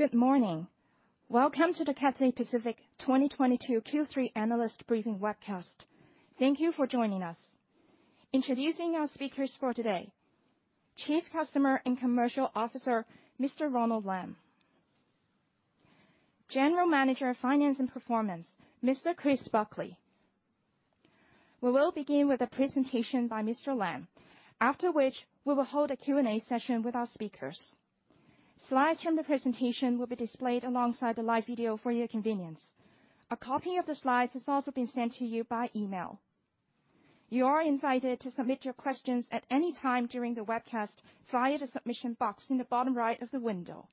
Good morning. Welcome to the Cathay Pacific 2022 Q3 Analyst Briefing Webcast. Thank you for joining us. Introducing our speakers for today, Chief Customer and Commercial Officer, Mr. Ronald Lam. General Manager of Finance and Performance, Mr. Christopher Buckley. We will begin with a presentation by Mr. Lam, after which we will hold a Q&A session with our speakers. Slides from the presentation will be displayed alongside the live video for your convenience. A copy of the slides has also been sent to you by email. You are invited to submit your questions at any time during the webcast via the submission box in the bottom right of the window.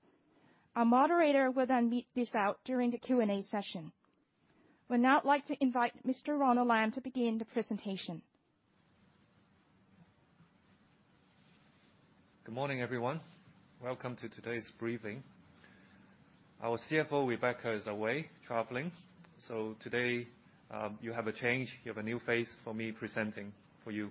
Our moderator will then read these out during the Q&A session. We'd now like to invite Mr. Ronald Lam to begin the presentation. Good morning, everyone. Welcome to today's briefing. Our CFO, Rebecca, is away traveling. Today, you have a change. You have a new face for me presenting for you.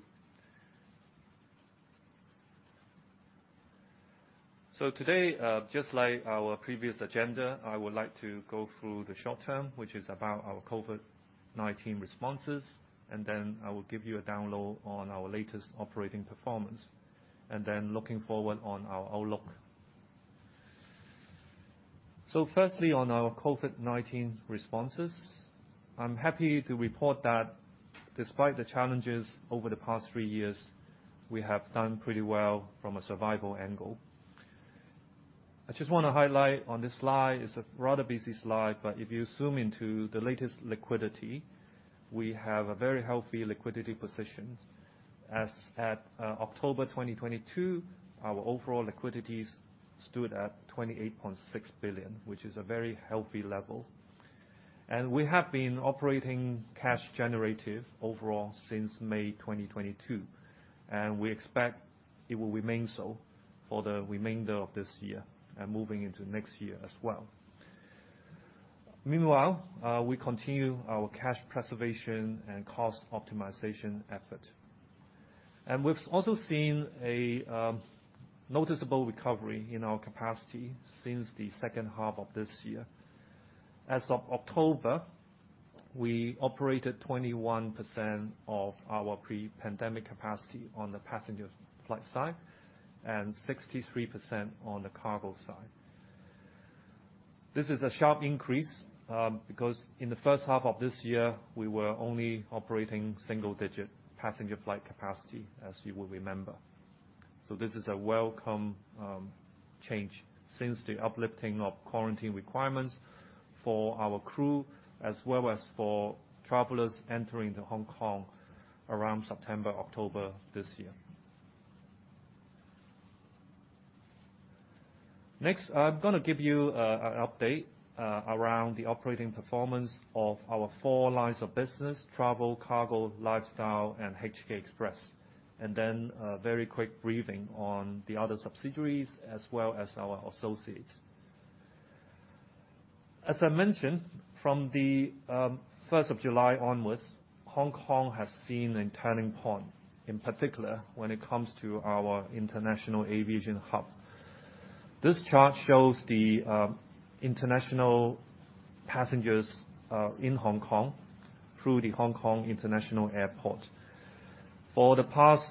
Today, just like our previous agenda, I would like to go through the short term, which is about our COVID-19 responses. Then I will give you a download on our latest operating performance, and then looking forward on our outlook. Firstly, on our COVID-19 responses, I'm happy to report that despite the challenges over the past three years, we have done pretty well from a survival angle. I just wanna highlight on this slide, it's a rather busy slide, but if you zoom into the latest liquidity, we have a very healthy liquidity position. As at October 2022, our overall liquidities stood at 28.6 billion, which is a very healthy level. We have been operating cash generative overall since May 2022, and we expect it will remain so for the remainder of this year and moving into next year as well. Meanwhile, we continue our cash preservation and cost optimization effort. We've also seen a noticeable recovery in our capacity since the second half of this year. As of October, we operated 21% of our pre-pandemic capacity on the passenger flight side, and 63% on the Cargo side. This is a sharp increase, because in the first half of this year, we were only operating single digit passenger flight capacity, as you will remember. This is a welcome change since the uplifting of quarantine requirements for our crew as well as for travelers entering to Hong Kong around September, October this year. Next, I'm gonna give you an update around the operating performance of our four lines of business, Travel, Cargo, Lifestyle, and HK Express, and then a very quick briefing on the other subsidiaries as well as our associates. As I mentioned, from the first of July onwards, Hong Kong has seen a turning point, in particular when it comes to our international aviation hub. This chart shows the international passengers in Hong Kong through the Hong Kong International Airport. For the past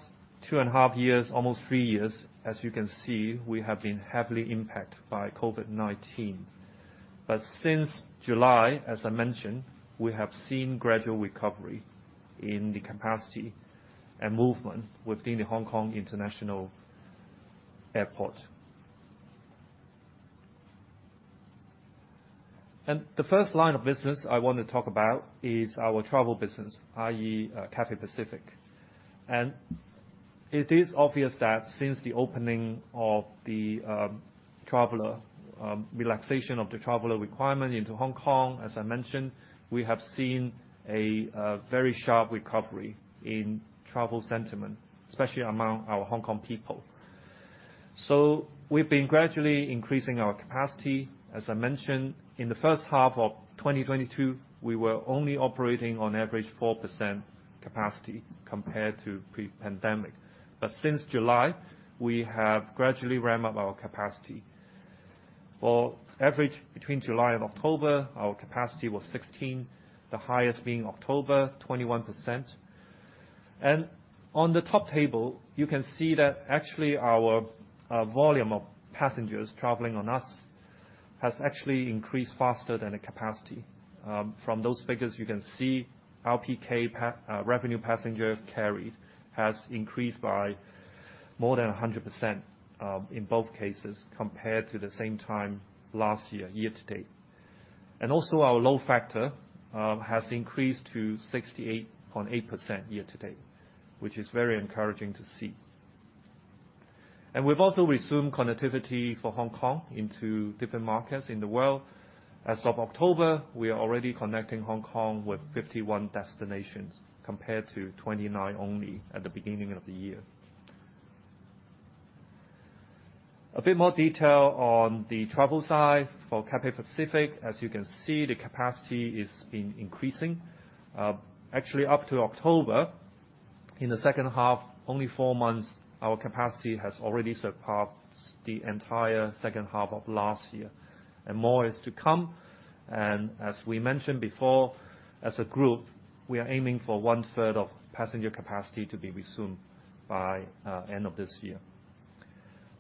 two and a half years, almost three years, as you can see, we have been heavily impacted by COVID-19. Since July, as I mentioned, we have seen gradual recovery in the capacity and movement within the Hong Kong International Airport. The first line of business I want to talk about is our travel business, i.e., Cathay Pacific. It is obvious that since the opening of the traveler relaxation of the traveler requirement into Hong Kong, as I mentioned, we have seen a very sharp recovery in travel sentiment, especially among our Hong Kong people. We've been gradually increasing our capacity. As I mentioned, in the first half of 2022, we were only operating on average 4% capacity compared to pre-pandemic. Since July, we have gradually ramped up our capacity. For average between July and October, our capacity was 16%, the highest being October, 21%. On the top table, you can see that actually our volume of passengers traveling on us has actually increased faster than the capacity. From those figures, you can see RPK, revenue passenger carry has increased by more than 100% in both cases, compared to the same time last year to date. Our load factor has increased to 68.8% year to date, which is very encouraging to see. We've also resumed connectivity for Hong Kong into different markets in the world. As of October, we are already connecting Hong Kong with 51 destinations, compared to 29 only at the beginning of the year. A bit more detail on the travel side for Cathay Pacific. As you can see, the capacity has been increasing. Actually up to October. In the second half, only four months, our capacity has already surpassed the entire second half of last year, and more is to come. As we mentioned before, as a group, we are aiming for 1/3 of passenger capacity to be resumed by end of this year.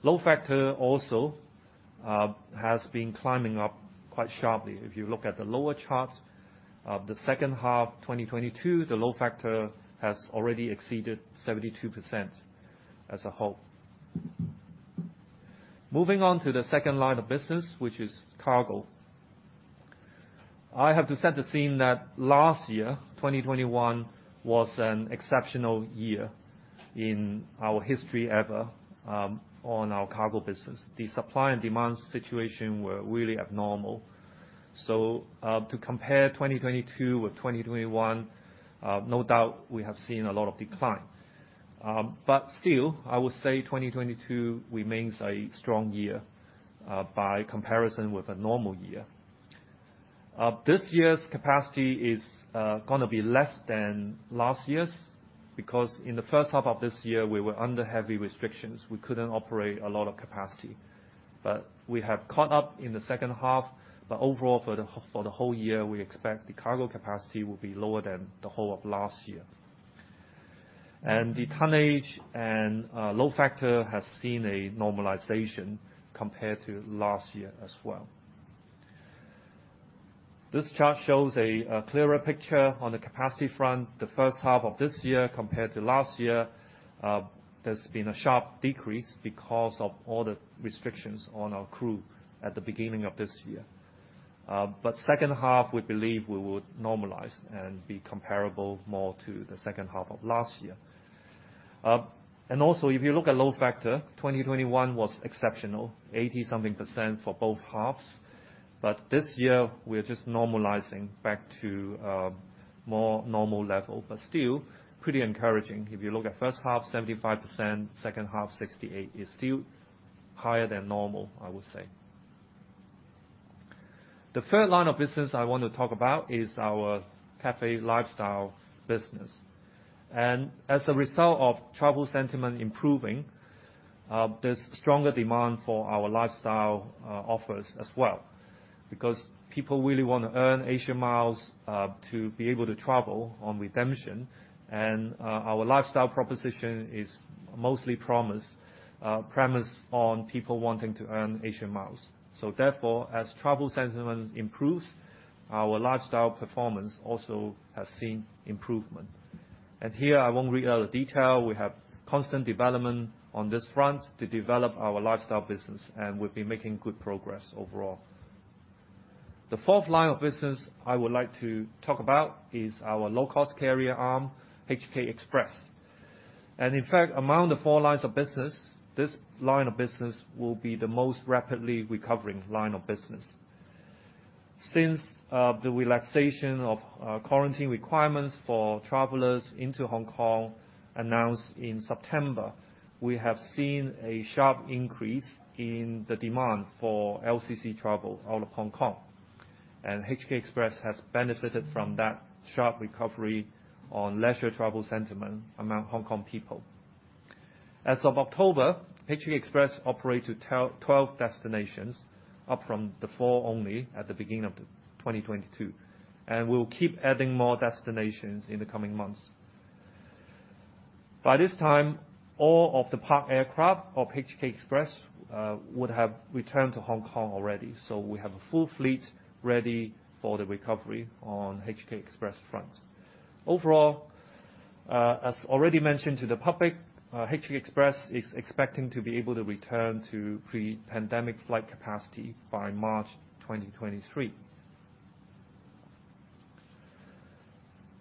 Load factor also has been climbing up quite sharply. If you look at the lower charts of the second half 2022, the load factor has already exceeded 72% as a whole. Moving on to the second line of business, which is Cargo. I have to set the scene that last year, 2021, was an exceptional year in our history ever on our Cargo business. The supply and demand situation were really abnormal. To compare 2022 with 2021, no doubt we have seen a lot of decline. Still, I would say 2022 remains a strong year by comparison with a normal year. This year's capacity is gonna be less than last year's, because in the first half of this year, we were under heavy restrictions. We couldn't operate a lot of capacity. We have caught up in the second half, but overall for the whole year, we expect the Cargo capacity will be lower than the whole of last year. The tonnage and load factor has seen a normalization compared to last year as well. This chart shows a clearer picture on the capacity front, the first half of this year compared to last year. There's been a sharp decrease because of all the restrictions on our crew at the beginning of this year. Second half, we believe we would normalize and be comparable more to the second half of last year. Also if you look at load factor, 2021 was exceptional, 80 something % for both halves. This year we're just normalizing back to a more normal level. Still pretty encouraging. If you look at first half, 75%, second half, 68%, is still higher than normal, I would say. The third line of business I want to talk about is our Cathay Lifestyle business. As a result of travel sentiment improving, there's stronger demand for our Lifestyle offers as well, because people really wanna earn Asia Miles to be able to travel on redemption. Our Lifestyle proposition is mostly premised on people wanting to earn Asia Miles. Therefore, as travel sentiment improves, our Lifestyle performance also has seen improvement. Here, I won't read out the detail. We have constant development on this front to develop our Lifestyle business, and we've been making good progress overall. The fourth line of business I would like to talk about is our low-cost carrier arm, HK Express. In fact, among the four lines of business, this line of business will be the most rapidly recovering line of business. Since the relaxation of quarantine requirements for travelers into Hong Kong announced in September, we have seen a sharp increase in the demand for LCC travel out of Hong Kong, and HK Express has benefited from that sharp recovery on leisure travel sentiment among Hong Kong people. As of October, HK Express operated 12 destinations, up from the four only at the beginning of 2022. We'll keep adding more destinations in the coming months. By this time, all of the parked aircraft of HK Express would have returned to Hong Kong already. We have a full fleet ready for the recovery on HK Express front. Overall, as already mentioned to the public, HK Express is expecting to be able to return to pre-pandemic flight capacity by March 2023.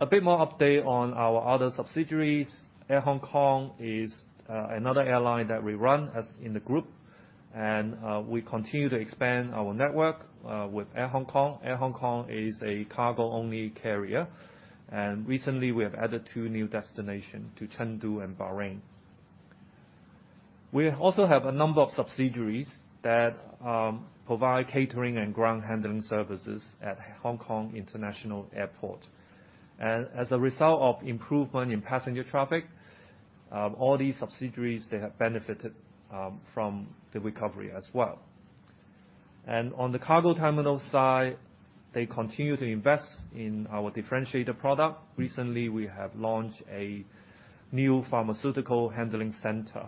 A bit more update on our other subsidiaries. Air Hong Kong is another airline that we run as in the group. We continue to expand our network with Air Hong Kong. Air Hong Kong is a cargo-only carrier, and recently we have added two new destination to Chengdu and Bahrain. We also have a number of subsidiaries that provide catering and ground handling services at Hong Kong International Airport. As a result of improvement in passenger traffic, all these subsidiaries, they have benefited from the recovery as well. On the cargo terminal side, they continue to invest in our differentiator product. Recently, we have launched a new pharmaceutical handling center,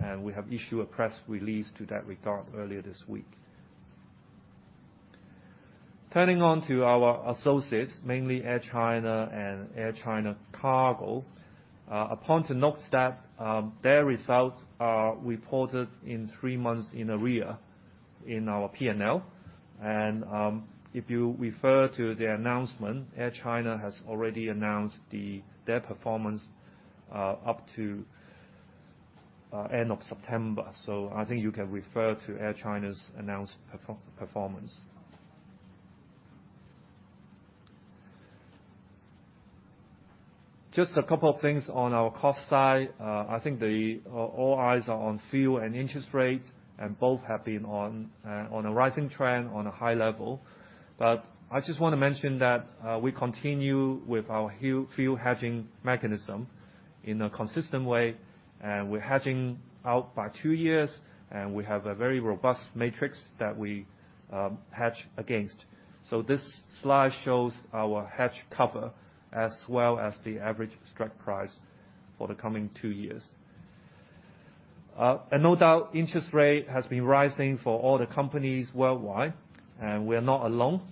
and we have issued a press release to that regard earlier this week. Turning on to our associates, mainly Air China and Air China Cargo. A point to note that their results are reported in three months in a rear in our P&L. If you refer to the announcement, Air China has already announced their performance up to end of September. I think you can refer to Air China's announced performance. Just a couple of things on our cost side. I think the all eyes are on fuel and interest rates, both have been on a rising trend on a high level. I just wanna mention that we continue with our fuel hedging mechanism in a consistent way, we're hedging out by two years, we have a very robust matrix that we hedge against. This slide shows our hedge cover, as well as the average strike price for the coming two years. No doubt, interest rate has been rising for all the companies worldwide, we're not alone.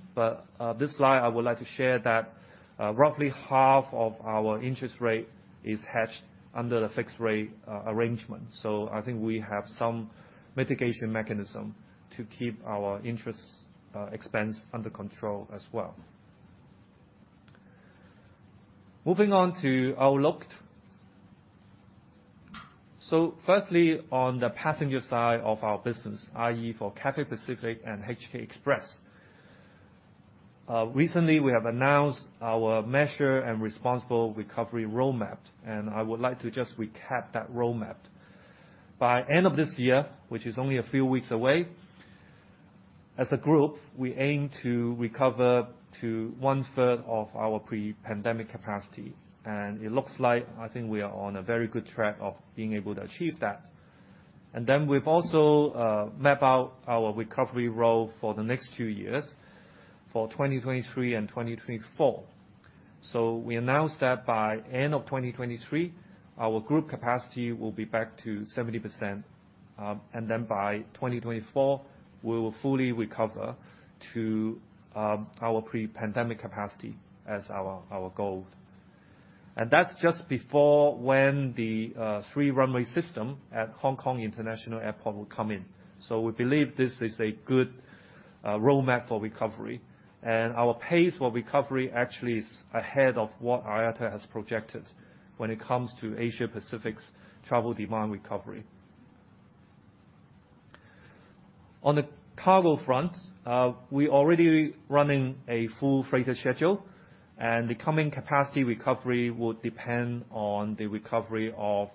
This slide, I would like to share that roughly half of our interest rate is hedged under the fixed rate arrangement. I think we have some mitigation mechanism to keep our interest expense under control as well. Moving on to outlook. Firstly, on the passenger side of our business, i.e., for Cathay Pacific and HK Express. Recently we have announced our measured and responsible recovery roadmap, and I would like to just recap that roadmap. By end of this year, which is only a few weeks away, as a group, we aim to recover to 1/3 of our pre-pandemic capacity, and it looks like I think we are on a very good track of being able to achieve that. We've also, map out our recovery road for the next two years, for 2023 and 2024. We announced that by end of 2023, our group capacity will be back to 70%. And then by 2024, we will fully recover to our pre-pandemic capacity as our goal. That's just before when the Three-Runway System at Hong Kong International Airport will come in. We believe this is a good roadmap for recovery. Our pace for recovery actually is ahead of what IATA has projected when it comes to Asia-Pacific's travel demand recovery. On the Cargo front, we're already running a full freighter schedule, and the coming capacity recovery would depend on the recovery of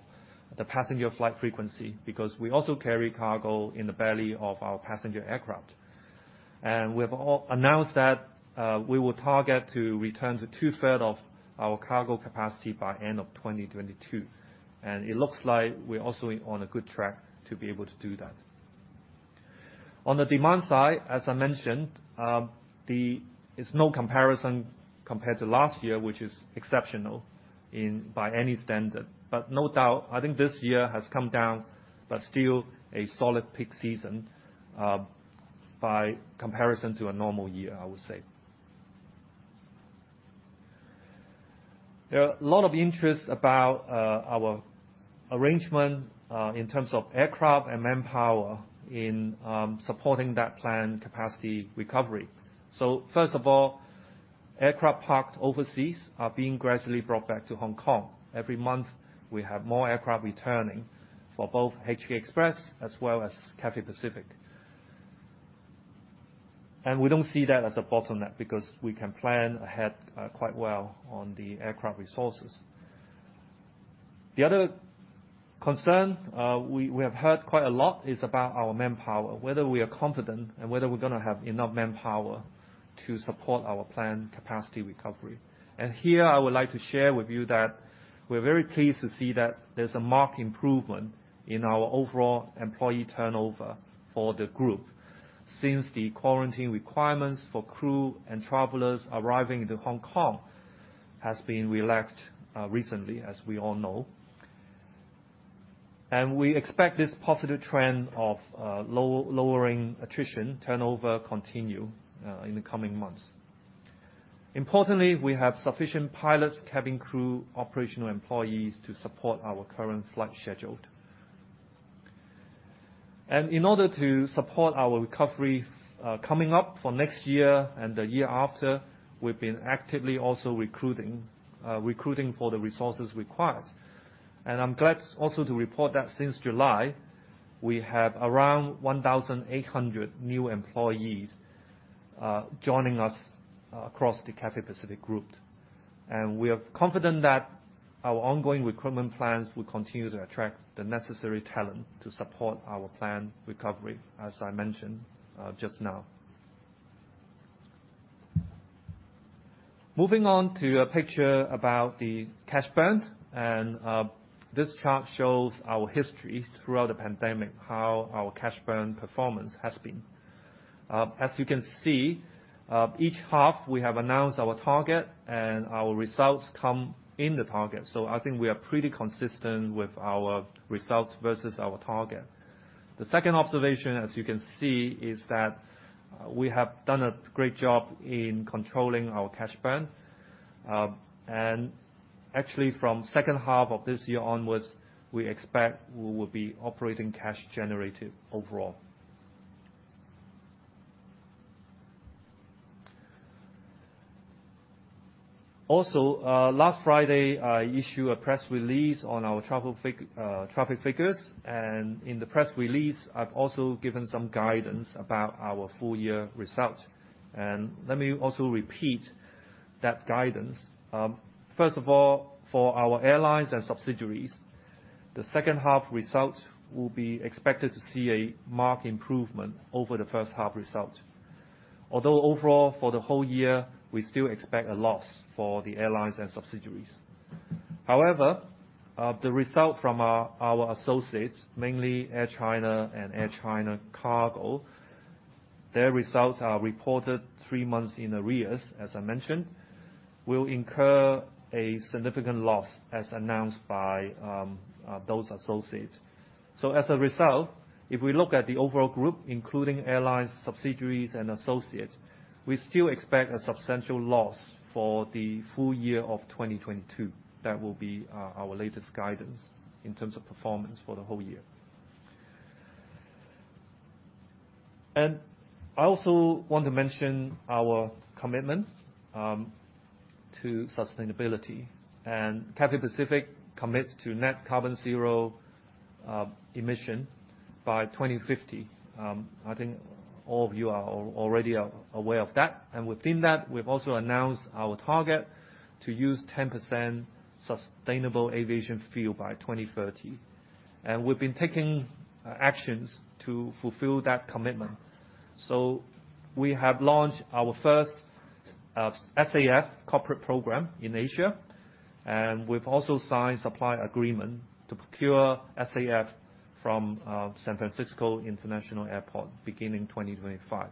the passenger flight frequency, because we also carry cargo in the belly of our passenger aircraft. We've announced that we will target to return to 2/3 of our cargo capacity by end of 2022. It looks like we're also on a good track to be able to do that. On the demand side, as I mentioned, it's no comparison compared to last year, which is exceptional in, by any standard. No doubt, I think this year has come down, but still a solid peak season by comparison to a normal year, I would say. There are a lot of interest about our arrangement in terms of aircraft and manpower in supporting that planned capacity recovery. First of all, aircraft parked overseas are being gradually brought back to Hong Kong. Every month we have more aircraft returning for both HK Express as well as Cathay Pacific. We don't see that as a bottleneck because we can plan ahead quite well on the aircraft resources. The other concern we have heard quite a lot is about our manpower, whether we are confident and whether we're gonna have enough manpower to support our planned capacity recovery. Here I would like to share with you that we're very pleased to see that there's a marked improvement in our overall employee turnover for the group since the quarantine requirements for crew and travelers arriving into Hong Kong has been relaxed recently, as we all know. We expect this positive trend of lowering attrition turnover continue in the coming months. Importantly, we have sufficient pilots, cabin crew, operational employees to support our current flight schedule. In order to support our recovery coming up for next year and the year after, we've been actively also recruiting for the resources required. I'm glad also to report that since July, we have around 1,800 new employees joining us across the Cathay Pacific Group. We are confident that our ongoing recruitment plans will continue to attract the necessary talent to support our planned recovery, as I mentioned just now. Moving on to a picture about the cash burn. This chart shows our history throughout the pandemic, how our cash burn performance has been. As you can see, each half we have announced our target and our results come in the target. I think we are pretty consistent with our results vs our target. The second observation, as you can see, is that we have done a great job in controlling our cash burn. Actually from second half of this year onwards, we expect we will be operating cash generative overall. Last Friday, I issue a press release on our traffic figures, and in the press release, I've also given some guidance about our full year results. Let me also repeat that guidance. First of all, for our airlines and subsidiaries-The second half result will be expected to see a marked improvement over the first half result. Although overall for the whole year, we still expect a loss for the airlines and subsidiaries. The result from our associates, mainly Air China and Air China Cargo, their results are reported three months in arrears, as I mentioned, will incur a significant loss as announced by those associates. As a result, if we look at the overall group, including airlines, subsidiaries, and associates, we still expect a substantial loss for the full year of 2022. That will be our latest guidance in terms of performance for the whole year. I also want to mention our commitment to sustainability. Cathay Pacific commits to net carbon zero emission by 2050. I think all of you are already aware of that. Within that, we've also announced our target to use 10% Sustainable Aviation Fuel by 2030. We've been taking actions to fulfill that commitment. We have launched our first SAF corporate program in Asia, and we've also signed supply agreement to procure SAF from San Francisco International Airport beginning 2025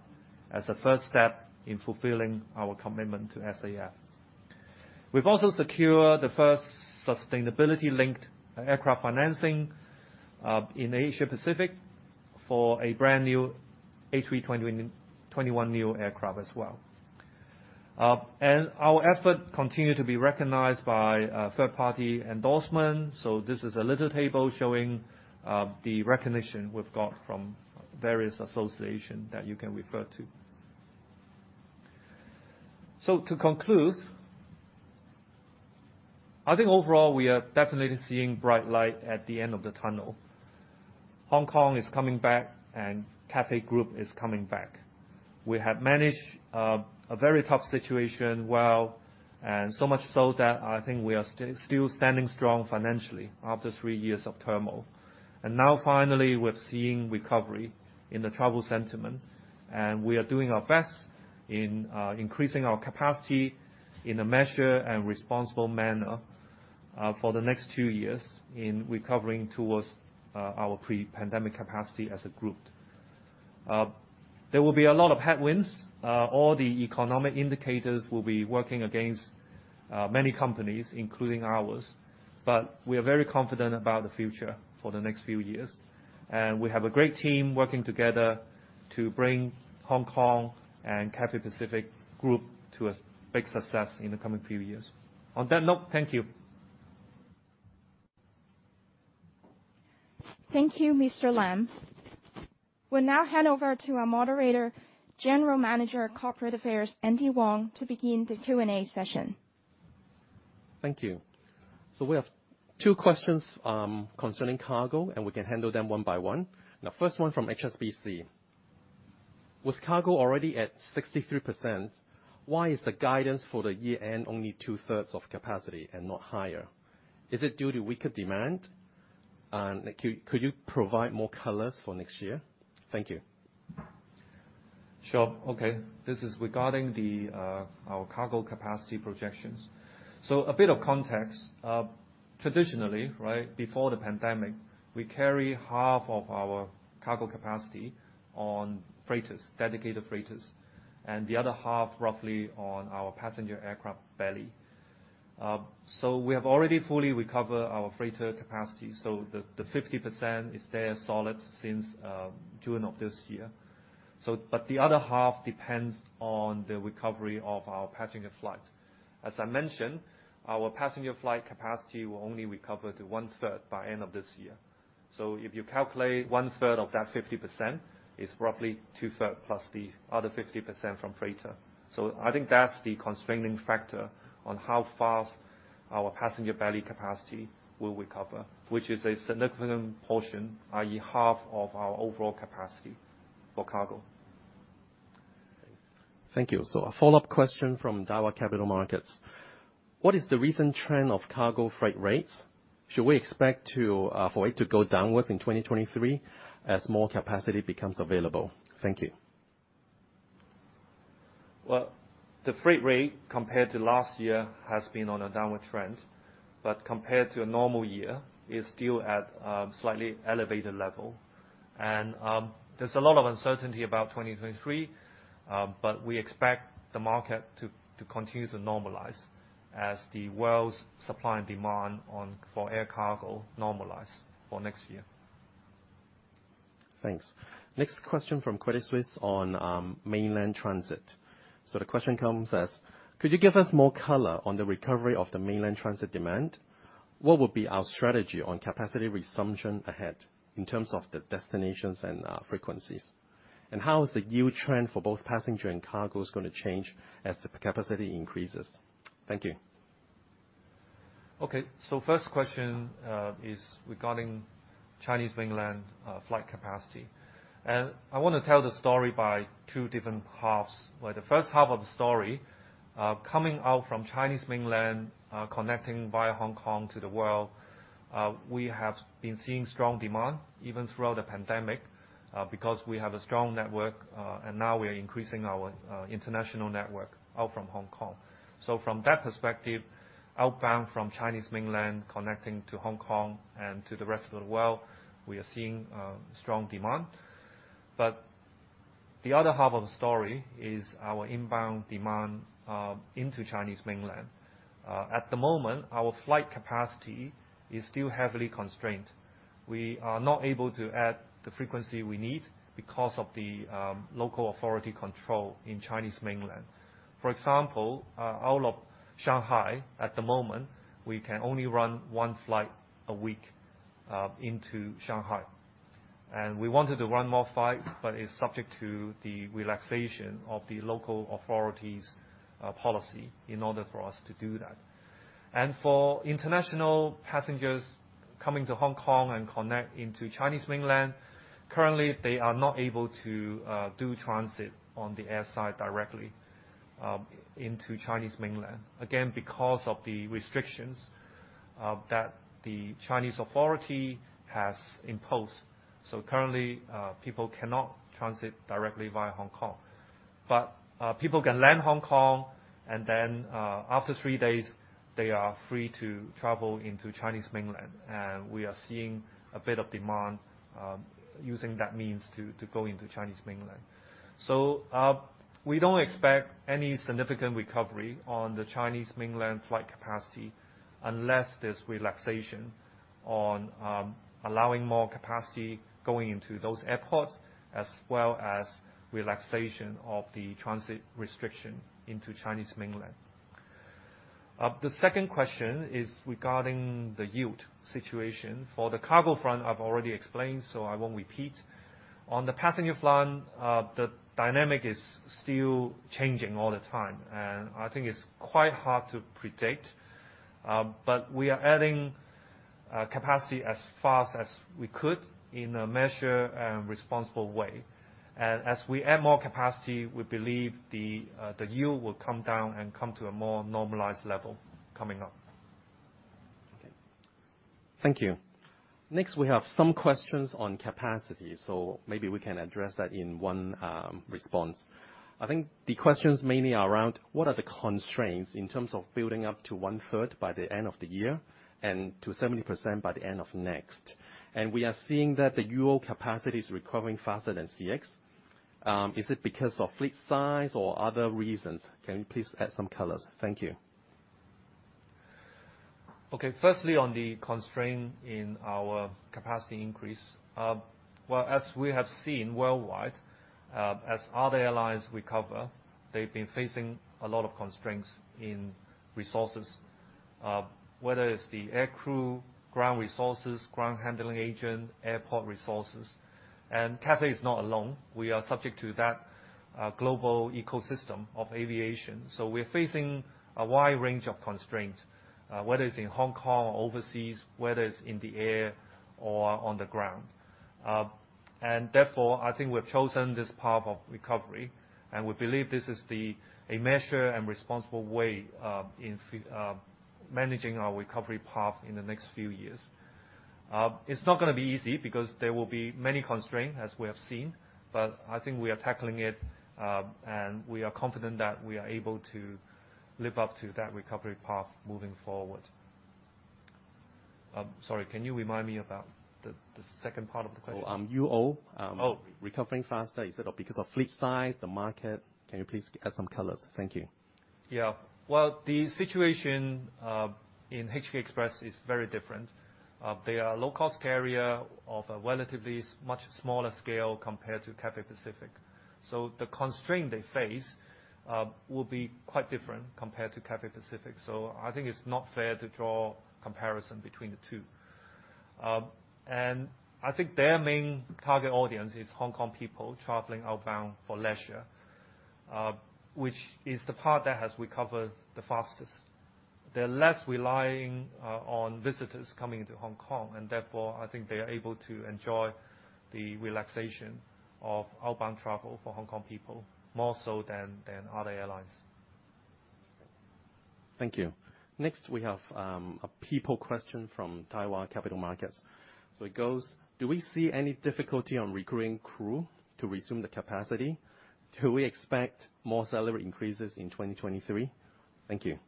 as a first step in fulfilling our commitment to SAF. We've also secured the first sustainability linked aircraft financing in Asia Pacific for a brand new A321neo aircraft as well. Our effort continue to be recognized by third-party endorsement, so this is a little table showing the recognition we've got from various association that you can refer to. To conclude, I think overall we are definitely seeing bright light at the end of the tunnel. Hong Kong is coming back, and Cathay Group is coming back. We have managed a very tough situation well, and so much so that I think we are still standing strong financially after three years of turmoil. Now finally we're seeing recovery in the travel sentiment, and we are doing our best in increasing our capacity in a measured and responsible manner for the next two years in recovering towards our pre-pandemic capacity as a group. There will be a lot of headwinds. All the economic indicators will be working against many companies, including ours, but we are very confident about the future for the next few years. We have a great team working together to bring Hong Kong and Cathay Pacific Group to a big success in the coming few years. On that note, thank you. Thank you, Mr. Lam. We'll now hand over to our moderator, General Manager of Corporate Affairs, Andy Wong, to begin the Q&A session. Thank you. We have two questions, concerning cargo, and we can handle them one by one. The first one from HSBC. With Cargo already at 63%, why is the guidance for the year end only 2/3s of capacity and not higher? Is it due to weaker demand? Could you provide more colors for next year? Thank you. Sure. Okay. This is regarding our cargo capacity projections. A bit of context. Traditionally, right, before the pandemic, we carry half of our cargo capacity on freighters, dedicated freighters, and the other half roughly on our passenger aircraft belly. We have already fully recovered our freighter capacity, so the 50% is there solid since June of this year. But the other half depends on the recovery of our passenger flights. As I mentioned, our passenger flight capacity will only recover to 1/3 by end of this year. If you calculate 1/3 of that 50%, it's roughly 2/3+ the other 50% from freighter. I think that's the constraining factor on how fast our passenger belly capacity will recover, which is a significant portion, i.e., half of our overall capacity for cargo. Thank you. A follow-up question from Daiwa Capital Markets. What is the recent trend of cargo freight rates? Should we expect for it to go downwards in 2023 as more capacity becomes available? Thank you. Well, the freight rate compared to last year has been on a downward trend, compared to a normal year is still at a slightly elevated level. There's a lot of uncertainty about 2023, but we expect the market to continue to normalize as the world's supply and demand for air cargo normalize for next year. Thanks. Next question from Credit Suisse on mainland transit. The question comes as, could you give us more color on the recovery of the mainland transit demand? What would be our strategy on capacity resumption ahead in terms of the destinations and frequencies? How is the yield trend for both passenger and cargo is gonna change as the capacity increases? Thank you. Okay. First question, is regarding Chinese mainland flight capacity. I want to tell the story by two different halves. Where the first half of the story, coming out from Chinese mainland, connecting via Hong Kong to the world, we have been seeing strong demand even throughout the pandemic, because we have a strong network, and now we are increasing our international network out from Hong Kong. From that perspective, outbound from Chinese mainland connecting to Hong Kong and to the rest of the world, we are seeing strong demand. The other half of the story is our inbound demand into Chinese mainland. At the moment, our flight capacity is still heavily constrained. We are not able to add the frequency we need because of the local authority control in Chinese mainland. For example, out of Shanghai at the moment, we can only run one flight a week into Shanghai. We wanted to run more flight, but it's subject to the relaxation of the local authority's policy in order for us to do that. For international passengers coming to Hong Kong and connect into Chinese mainland, currently they are not able to do transit on the air side directly into Chinese mainland, again, because of the restrictions that the Chinese authority has imposed. Currently, people cannot transit directly via Hong Kong. People can land Hong Kong and then, after three days, they are free to travel into Chinese mainland. We are seeing a bit of demand using that means to go into Chinese mainland. We don't expect any significant recovery on the Chinese Mainland flight capacity unless there's relaxation on allowing more capacity going into those airports, as well as relaxation of the transit restriction into Chinese Mainland. The second question is regarding the yield situation. For the cargo front, I've already explained, so I won't repeat. On the passenger front, the dynamic is still changing all the time. I think it's quite hard to predict, but we are adding capacity as fast as we could in a measured and responsible way. As we add more capacity, we believe the yield will come down and come to a more normalized level coming up. Okay. Thank you. Next, we have some questions on capacity, maybe we can address that in one response. I think the questions mainly are around what are the constraints in terms of building up to 1/3 by the end of the year and to 70% by the end of next? We are seeing that the UO capacity is recovering faster than CX. Is it because of fleet size or other reasons? Can you please add some colors? Thank you. Okay. Firstly, on the constraint in our capacity increase, well, as we have seen worldwide, as other airlines recover, they've been facing a lot of constraints in resources, whether it's the air crew, ground resources, ground handling agent, airport resources. Cathay is not alone. We are subject to that global ecosystem of aviation. We're facing a wide range of constraints, whether it's in Hong Kong or overseas, whether it's in the air or on the ground. Therefore, I think we've chosen this path of recovery, and we believe this is a measured and responsible way in managing our recovery path in the next few years. It's not gonna be easy because there will be many constraints, as we have seen. I think we are tackling it, and we are confident that we are able to live up to that recovery path moving forward. Sorry, can you remind me about the second part of the question? UO. Oh. Recovering faster. Is it because of fleet size, the market? Can you please add some colors? Thank you. Well, the situation in HK Express is very different. They are a low-cost carrier of a relatively much smaller scale compared to Cathay Pacific. The constraint they face will be quite different compared to Cathay Pacific. I think it's not fair to draw a comparison between the two. I think their main target audience is Hong Kong people traveling outbound for leisure, which is the part that has recovered the fastest. They're less relying on visitors coming to Hong Kong, and therefore, I think they are able to enjoy the relaxation of outbound travel for Hong Kong people more so than other airlines. Thank you. Next, we have a people question from Daiwa Capital Markets. It goes: Do we see any difficulty on recruiting crew to resume the capacity? Do we expect more salary increases in 2023? Thank you.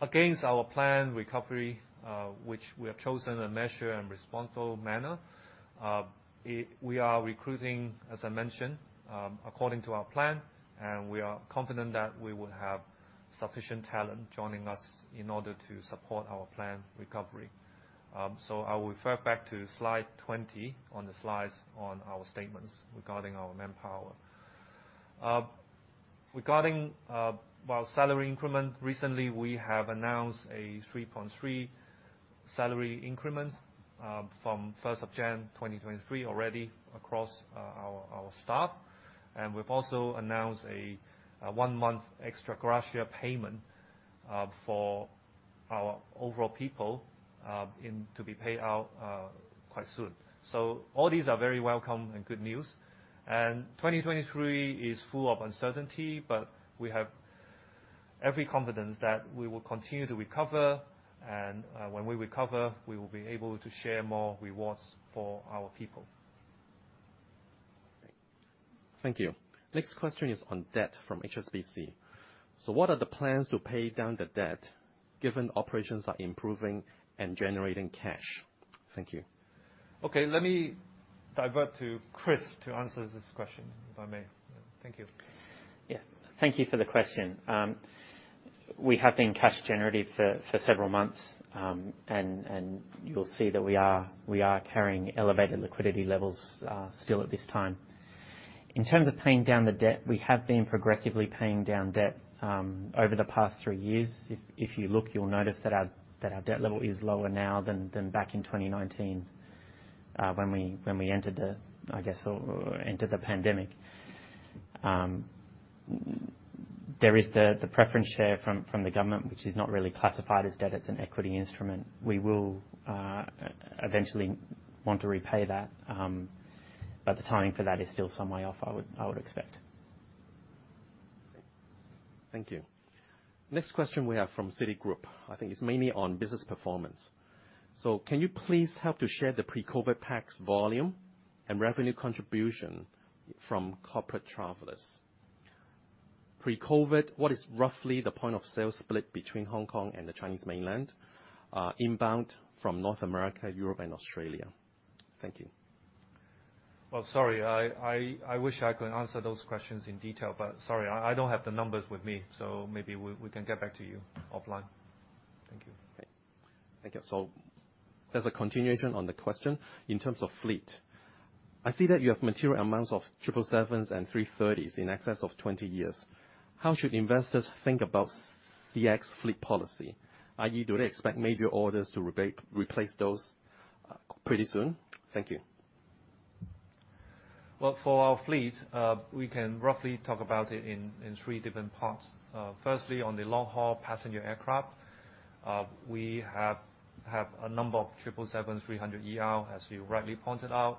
Against our planned recovery, which we have chosen a measured and responsible manner, we are recruiting, as I mentioned, according to our plan, and we are confident that we will have sufficient talent joining us in order to support our planned recovery. I will refer back to slide 20 on the slides on our statements regarding our manpower. Regarding, well, salary increment, recently, we have announced a 3.3 salary increment. From 1st of January 2023 already across our staff, we've also announced a one-month extra gracious payment for our overall people to be paid out quite soon. All these are very welcome and good news. 2023 is full of uncertainty, but we have every confidence that we will continue to recover. When we recover, we will be able to share more rewards for our people. Thank you. Next question is on debt from HSBC. What are the plans to pay down the debt given operations are improving and generating cash? Thank you. Okay, let me divert to Chris to answer this question, if I may. Thank you. Yeah. Thank you for the question. We have been cash generative for several months. You'll see that we are carrying elevated liquidity levels still at this time. In terms of paying down the debt, we have been progressively paying down debt over the past three years. If you look, you'll notice that our debt level is lower now than back in 2019, when we entered the, I guess, entered the pandemic. There is the preference share from the government, which is not really classified as debt. It's an equity instrument. We will eventually want to repay that, but the timing for that is still some way off, I would expect. Thank you. Next question we have from Citigroup, I think it's mainly on business performance. Can you please help to share the pre-COVID PAX volume and revenue contribution from corporate travelers? Pre-COVID, what is roughly the point of sale split between Hong Kong and the Chinese mainland, inbound from North America, Europe and Australia? Thank you. Well, sorry, I wish I could answer those questions in detail, but sorry, I don't have the numbers with me, so maybe we can get back to you offline. Thank you. Thank you. As a continuation on the question, in terms of fleet, I see that you have material amounts of 777s and 330s in excess of 20 years. How should investors think about CX fleet policy? Do they expect major orders to replace those pretty soon? Thank you. Well, for our fleet, we can roughly talk about it in three different parts. Firstly, on the long-haul passenger aircraft, we have a number of 777-300ER, as you rightly pointed out,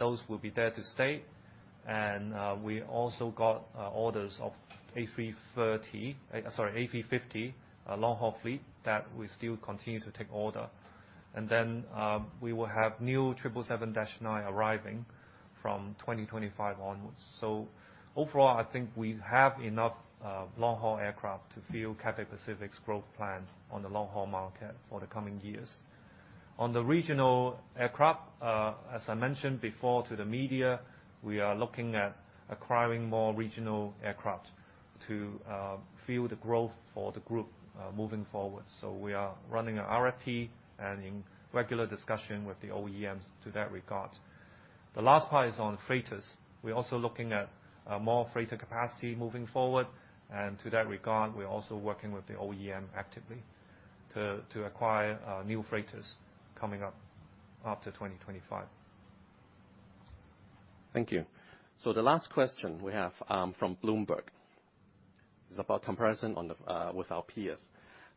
those will be there to stay. We also got orders of A330, sorry, A350, a long-haul fleet that we still continue to take order. We will have new 777-9 arriving from 2025 onwards. Overall, I think we have enough long-haul aircraft to fuel Cathay Pacific's growth plan on the long-haul market for the coming years. On the regional aircraft, as I mentioned before to the media, we are looking at acquiring more regional aircraft to fuel the growth for the group moving forward. We are running an RFP and in regular discussion with the OEMs to that regard. The last part is on freighters. We're also looking at more freighter capacity moving forward. To that regard, we're also working with the OEM actively to acquire new freighters coming up after 2025. Thank you. The last question we have from Bloomberg. It's about comparison on the with our peers.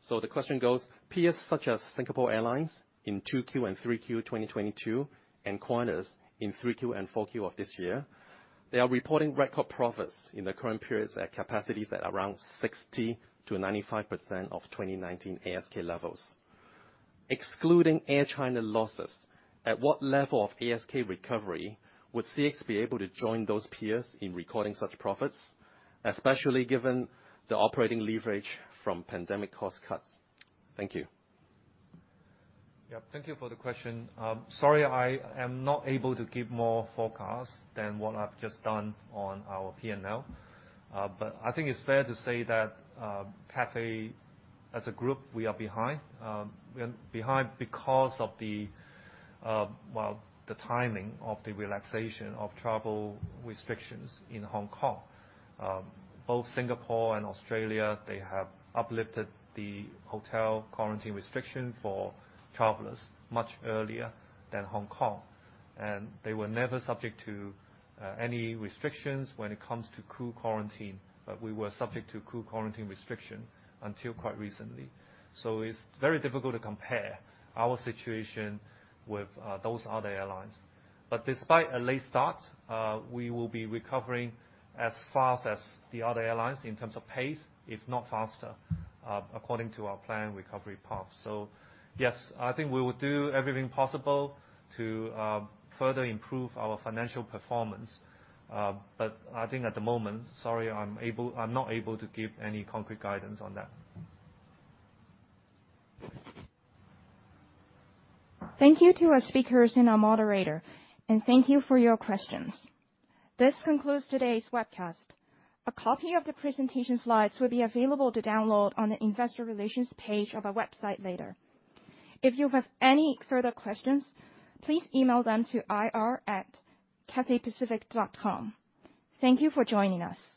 The question goes, peers such as Singapore Airlines in 2Q and 3Q 2022 and Qantas in 3Q and 4Q of this year, they are reporting record profits in the current periods at capacities at around 60%-95% of 2019 ASK levels. Excluding Air China losses, at what level of ASK recovery would CX be able to join those peers in recording such profits, especially given the operating leverage from pandemic cost cuts? Thank you. Yeah. Thank you for the question. Sorry I am not able to give more forecast than what I've just done on our P&L. I think it's fair to say that Cathay as a group, we are behind. We are behind because of the well, the timing of the relaxation of travel restrictions in Hong Kong. Both Singapore and Australia, they have uplifted the hotel quarantine restriction for travelers much earlier than Hong Kong. They were never subject to any restrictions when it comes to crew quarantine. We were subject to crew quarantine restriction until quite recently. It's very difficult to compare our situation with those other airlines. Despite a late start, we will be recovering as fast as the other airlines in terms of pace, if not faster, according to our plan recovery path. Yes, I think we will do everything possible to further improve our financial performance. I think at the moment, sorry, I'm not able to give any concrete guidance on that. Thank you to our speakers and our moderator, and thank you for your questions. This concludes today's webcast. A copy of the presentation slides will be available to download on the investor relations page of our website later. If you have any further questions, please email them to ir@cathaypacific.com. Thank you for joining us.